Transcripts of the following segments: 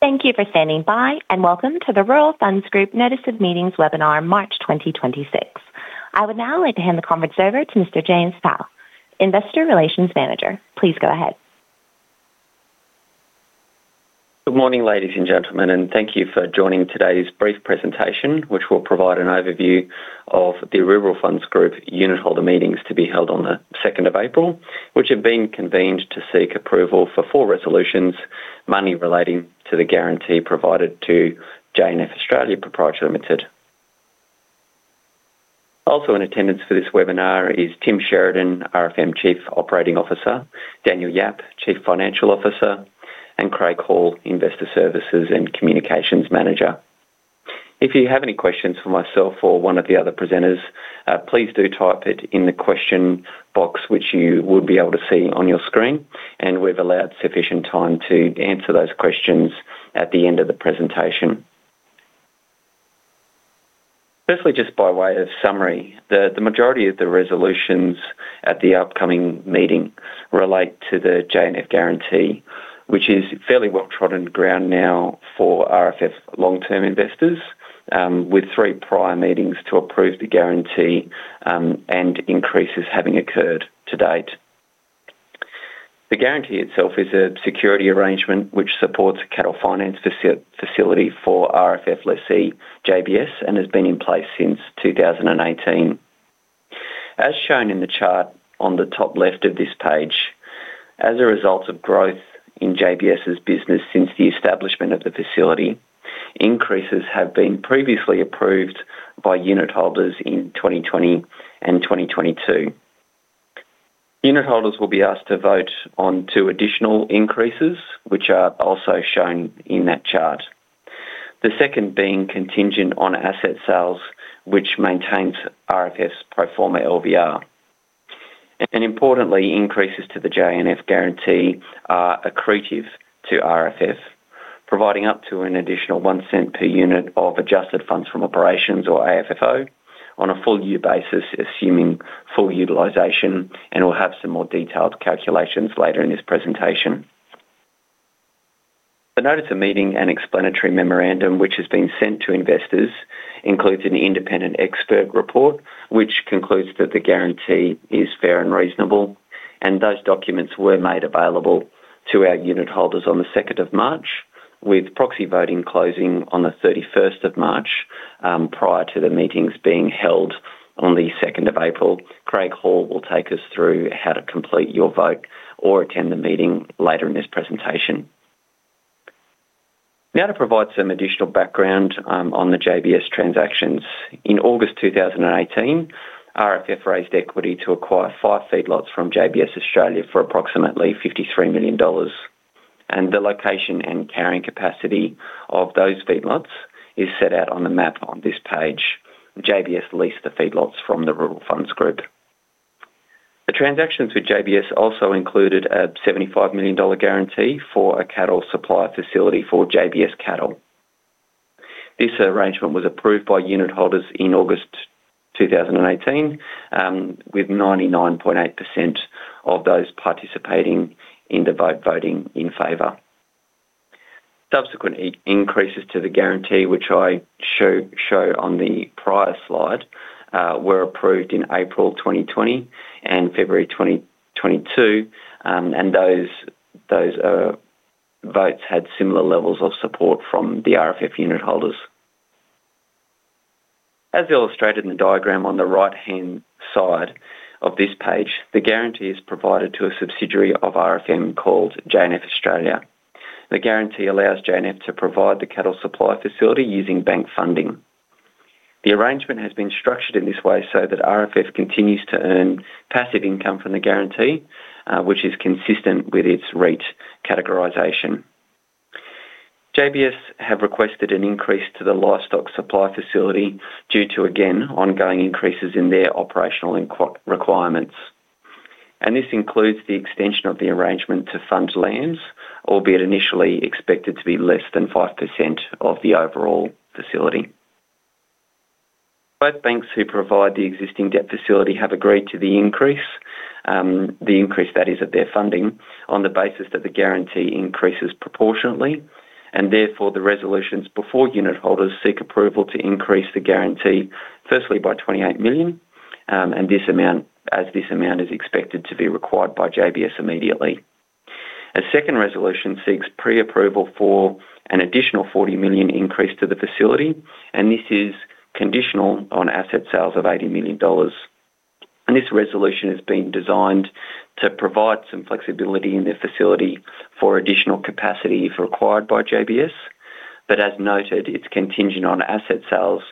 Thank you for standing by, and welcome to the Rural Funds Group Notice of Meetings webinar, March 2026. I would now like to hand the conference over to Mr. James Powell, Investor Relations Manager. Please go ahead. Good morning, ladies and gentlemen, and thank you for joining today's brief presentation, which will provide an overview of the Rural Funds Group unitholder meetings to be held on the 2nd of April, which have been convened to seek approval for four resolutions, mainly relating to the guarantee provided to J&F Australia Pty Ltd. Also in attendance for this webinar is Tim Sheridan, RFM Chief Operating Officer, Daniel Yap, Chief Financial Officer, and Craig Hall, Investor Services and Communications Manager. If you have any questions for myself or one of the other presenters, please do type it in the question box, which you would be able to see on your screen, and we've allowed sufficient time to answer those questions at the end of the presentation. Firstly, just by way of summary, the majority of the resolutions at the upcoming meeting relate to the J&F guarantee, which is fairly well-trodden ground now for RFF long-term investors, with three prior meetings to approve the guarantee, and increases having occurred to date. The guarantee itself is a security arrangement which supports a cattle finance facility for RFF lessee JBS and has been in place since 2018. As shown in the chart on the top left of this page, as a result of growth in JBS's business since the establishment of the facility, increases have been previously approved by unitholders in 2020 and 2022. Unitholders will be asked to vote on two additional increases, which are also shown in that chart. The second being contingent on asset sales, which maintains RFF's pro forma LVR. Importantly, increases to the J&F guarantee are accretive to RFF, providing up to an additional 0.01 per unit of adjusted funds from operations, or AFFO, on a full year basis, assuming full utilization, and we'll have some more detailed calculations later in this presentation. The notice of meeting and explanatory memorandum, which has been sent to investors, includes an independent expert report, which concludes that the guarantee is fair and reasonable, and those documents were made available to our unitholders on the 2nd of March, with proxy voting closing on the 31st of March, prior to the meetings being held on the 2nd of April. Craig Hall will take us through how to complete your vote or attend the meeting later in this presentation. Now to provide some additional background, on the JBS transactions. In August 2018, RFF raised equity to acquire five feedlots from JBS Australia for approximately 53 million dollars. The location and carrying capacity of those feedlots is set out on the map on this page. JBS leased the feedlots from the Rural Funds Group. The transactions with JBS also included a 75 million dollar guarantee for a cattle supplier facility for JBS Cattle. This arrangement was approved by unitholders in August 2018, with 99.8% of those participating in the vote voting in favor. Subsequent increases to the guarantee, which I show on the prior slide, were approved in April 2020 and February 2022, and those votes had similar levels of support from the RFF unitholders. As illustrated in the diagram on the right-hand side of this page, the guarantee is provided to a subsidiary of RFM called J&F Australia. The guarantee allows J&F to provide the cattle supply facility using bank funding. The arrangement has been structured in this way so that RFF continues to earn passive income from the guarantee, which is consistent with its REIT categorization. JBS have requested an increase to the livestock supply facility due to, again, ongoing increases in their operational and quota requirements. This includes the extension of the arrangement to fund lands, albeit initially expected to be less than 5% of the overall facility. Both banks who provide the existing debt facility have agreed to the increase that is of their funding, on the basis that the guarantee increases proportionately, and therefore the resolutions before unitholders seek approval to increase the guarantee, firstly by 28 million, and this amount is expected to be required by JBS immediately. A second resolution seeks preapproval for an additional 40 million increase to the facility, and this is conditional on asset sales of 80 million dollars. This resolution has been designed to provide some flexibility in the facility for additional capacity if required by JBS. As noted, it's contingent on asset sales,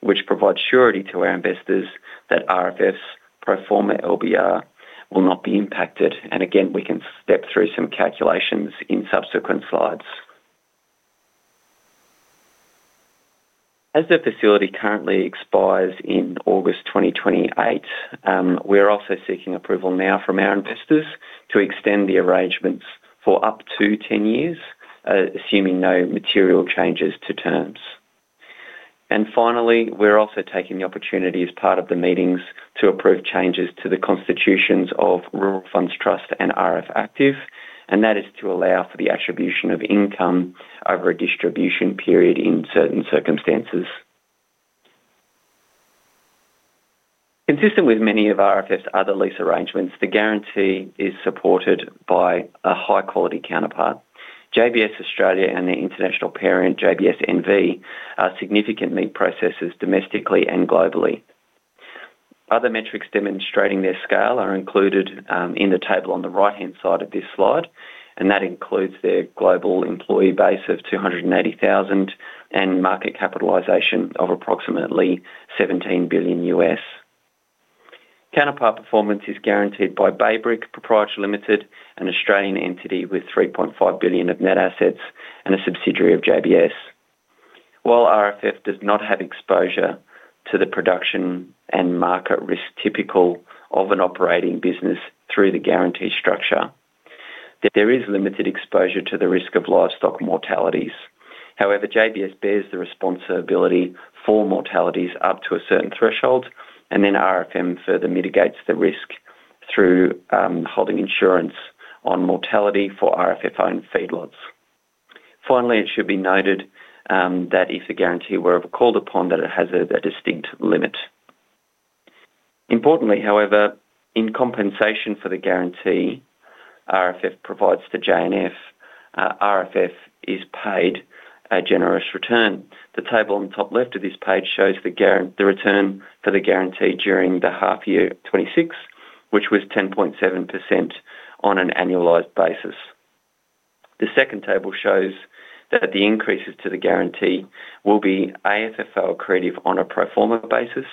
which provide surety to our investors that RFF's pro forma LVR will not be impacted. Again, we can step through some calculations in subsequent slides. As the facility currently expires in August 2028, we're also seeking approval now from our investors to extend the arrangements for up to 10 years, assuming no material changes to terms. Finally, we're also taking the opportunity as part of the meetings to approve changes to the constitutions of Rural Funds Trust and RF Active, and that is to allow for the attribution of income over a distribution period in certain circumstances. Consistent with many of RFF's other lease arrangements, the guarantee is supported by a high-quality counterpart. JBS Australia and their international parent, JBS N.V., are significant meat processors domestically and globally. Other metrics demonstrating their scale are included in the table on the right-hand side of this slide, and that includes their global employee base of 280,000 and market capitalization of approximately $17 billion. Counterpart performance is guaranteed by Baybrick Pty. Ltd., an Australian entity with 3.5 billion of net assets and a subsidiary of JBS. While RFF does not have exposure to the production and market risk typical of an operating business through the guarantee structure, there is limited exposure to the risk of livestock mortalities. However, JBS bears the responsibility for mortalities up to a certain threshold, and then RFM further mitigates the risk through holding insurance on mortality for RFF-owned feedlots. Finally, it should be noted that if a guarantee were called upon, that it has a distinct limit. Importantly, however, in compensation for the guarantee RFF provides to J&F, RFF is paid a generous return. The table on the top left of this page shows the return for the guarantee during the half year 2026, which was 10.7% on an annualized basis. The second table shows that the increases to the guarantee will be AFFO accretive on a pro forma basis,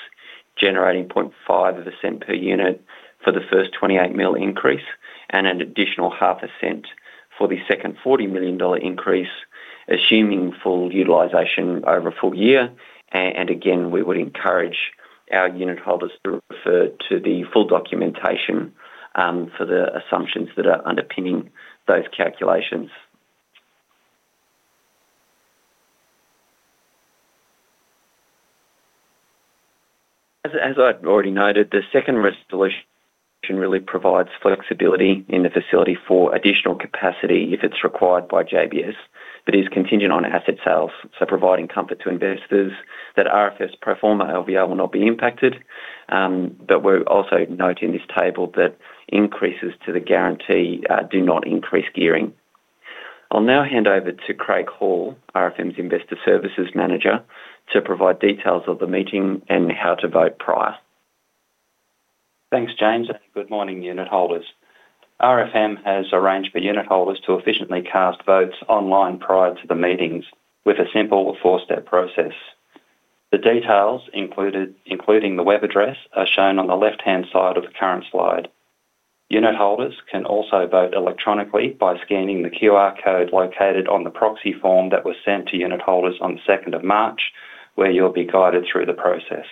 generating 0.5 per unit for the first 28 million increase and an additional half a cent for the second 40 million dollar increase, assuming full utilization over a full year. Again, we would encourage our unitholders to refer to the full documentation for the assumptions that are underpinning those calculations. As I've already noted, the second resolution really provides flexibility in the facility for additional capacity if it's required by JBS, but is contingent on asset sales. Providing comfort to investors that RFF's pro forma LVR will not be impacted. We'll also note in this table that increases to the guarantee do not increase gearing. I'll now hand over to Craig Hall, RFM's Investor Services Manager, to provide details of the meeting and how to vote prior. Thanks, James, and good morning, unitholders. RFM has arranged for unitholders to efficiently cast votes online prior to the meetings with a simple four-step process. The details included, including the web address, are shown on the left-hand side of the current slide. Unitholders can also vote electronically by scanning the QR code located on the proxy form that was sent to unitholders on the 2nd of March, where you'll be guided through the process.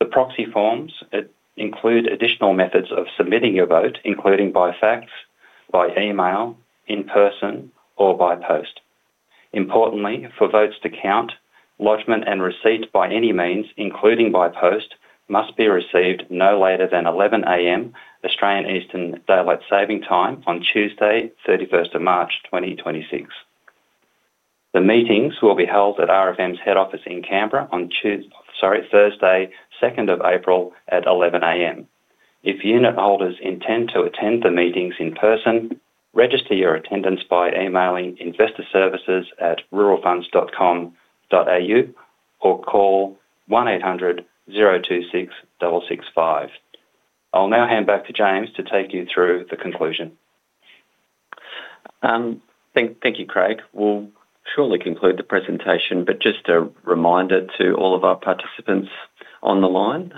The proxy forms include additional methods of submitting your vote, including by fax, by email, in person, or by post. Importantly, for votes to count, lodgement and receipt by any means, including by post, must be received no later than 11:00 A.M. Australian Eastern Daylight Time on Tuesday, 31st of March, 2026. The meetings will be held at RFM's head office in Canberra on Thursday, 2nd of April, at 11:00 A.M. If unitholders intend to attend the meetings in person, register your attendance by emailing investorservices@ruralfunds.com.au or call 1800-026-665. I'll now hand back to James to take you through the conclusion. Thank you, Craig. We'll shortly conclude the presentation, but just a reminder to all of our participants on the line,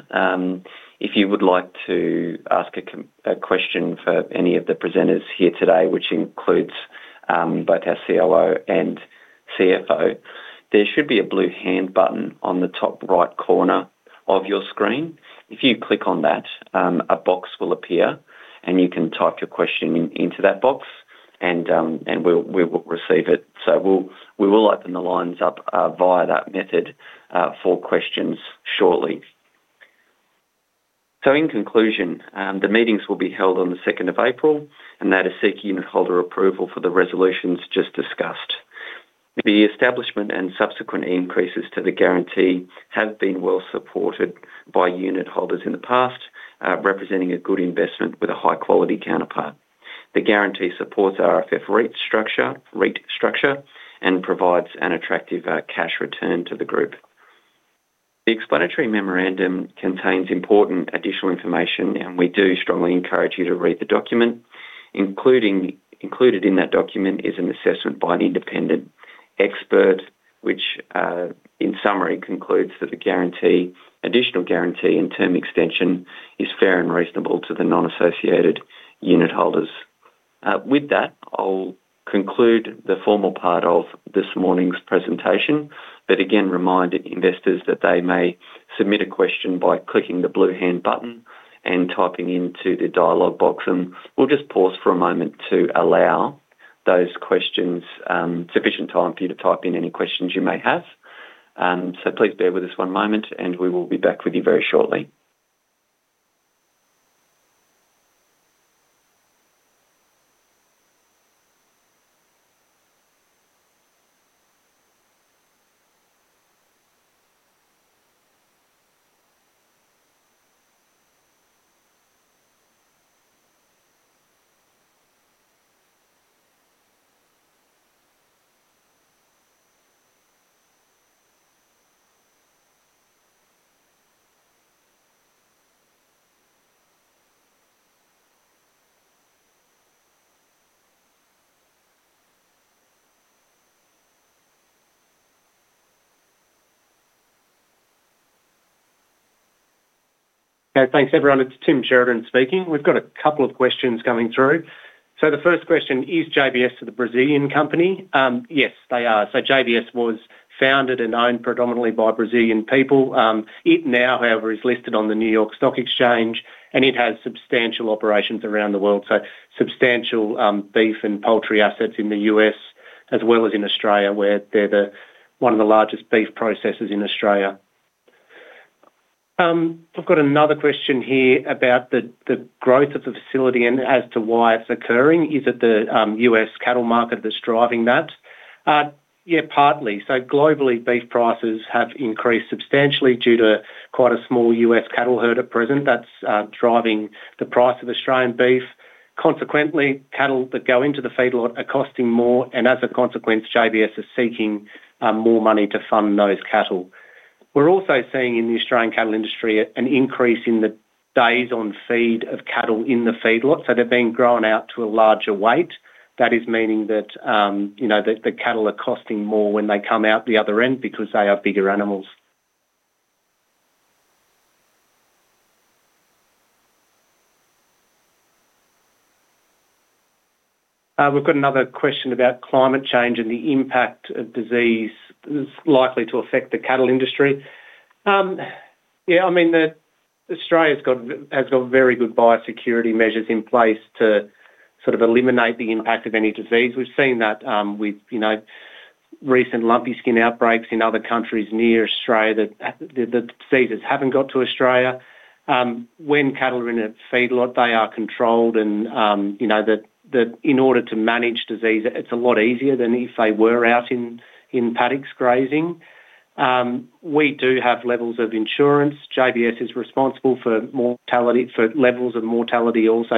if you would like to ask a question for any of the presenters here today, which includes both our COO and CFO, there should be a blue hand button on the top right corner of your screen. If you click on that, a box will appear, and you can type your question into that box and we'll receive it. We'll open the lines up via that method for questions shortly. In conclusion, the meetings will be held on the 2nd of April, and that is seeking unitholder approval for the resolutions just discussed. The establishment and subsequent increases to the guarantee have been well supported by unitholders in the past, representing a good investment with a high-quality counterpart. The guarantee supports RFF REIT's structure, REIT structure and provides an attractive, cash return to the group. The explanatory memorandum contains important additional information, and we do strongly encourage you to read the document. Included in that document is an assessment by an independent expert, which, in summary, concludes that the guarantee, additional guarantee and term extension is fair and reasonable to the non-associated unitholders. With that, I'll conclude the formal part of this morning's presentation. Again remind investors that they may submit a question by clicking the blue hand button and typing into the dialog box, and we'll just pause for a moment to allow those questions sufficient time for you to type in any questions you may have. Please bear with us one moment, and we will be back with you very shortly. Okay, thanks, everyone. It's Tim Sheridan speaking. We've got a couple of questions coming through. The first question: Is JBS a Brazilian company? Yes, they are. JBS was founded and owned predominantly by Brazilian people. It now, however, is listed on the New York Stock Exchange, and it has substantial operations around the world. Substantial beef and poultry assets in the U.S. as well as in Australia, where they're the one of the largest beef processors in Australia. I've got another question here about the growth of the facility and as to why it's occurring. Is it the U.S. cattle market that's driving that? Yeah, partly. Globally, beef prices have increased substantially due to quite a small U.S. cattle herd at present that's driving the price of Australian beef. Consequently, cattle that go into the feedlot are costing more, and as a consequence, JBS is seeking more money to fund those cattle. We're also seeing in the Australian cattle industry an increase in the days on feed of cattle in the feedlot, so they're being grown out to a larger weight. That is meaning that you know, the cattle are costing more when they come out the other end because they are bigger animals. We've got another question about climate change and the impact of disease that's likely to affect the cattle industry. Yeah, I mean, Australia has got very good biosecurity measures in place to sort of eliminate the impact of any disease. We've seen that with you know, recent Lumpy Skin outbreaks in other countries near Australia that the diseases haven't got to Australia. When cattle are in a feedlot, they are controlled and, you know, in order to manage disease, it's a lot easier than if they were out in paddocks grazing. We do have levels of insurance. JBS is responsible for mortality, for levels of mortality also.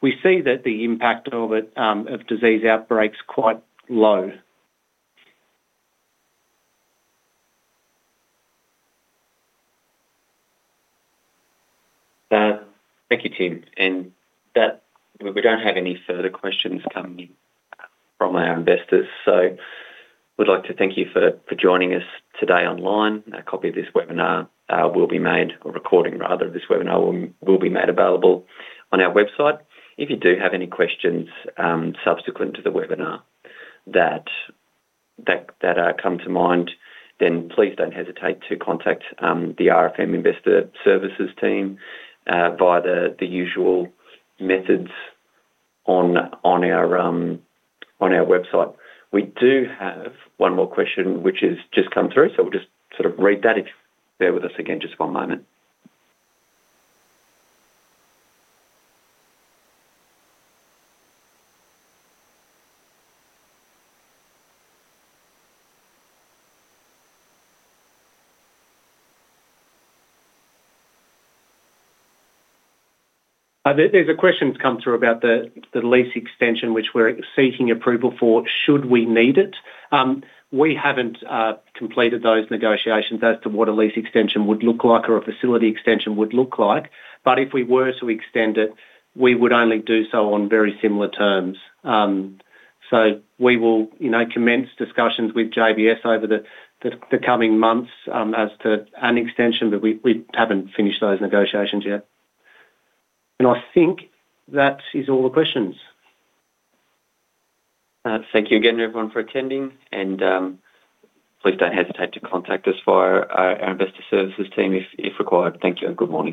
We see that the impact of it, of disease outbreaks quite low. Thank you, Tim. We don't have any further questions coming in from our investors, so we'd like to thank you for joining us today online. A copy of this webinar will be made, or a recording rather of this webinar will be made available on our website. If you do have any questions subsequent to the webinar that come to mind, then please don't hesitate to contact the RFM Investor Services team via the usual methods on our website. We do have one more question, which has just come through, so we'll just sort of read that. Bear with us again just one moment. There's a question that's come through about the lease extension which we're seeking approval for should we need it. We haven't completed those negotiations as to what a lease extension would look like or a facility extension would look like, but if we were to extend it, we would only do so on very similar terms. We will, you know, commence discussions with JBS over the coming months as to an extension, but we haven't finished those negotiations yet. I think that is all the questions. Thank you again, everyone, for attending, and please don't hesitate to contact us via our Investor Services team if required. Thank you, and good morning.